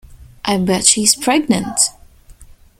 I bet she's pregnant!